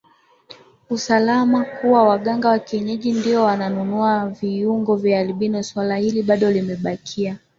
usalama kuwa waganga wa kienyeji ndio wananunua viungo vya albino Swala hili bado limebakia